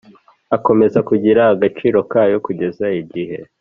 Akomeza kugira agaciro kayo kugeza igihe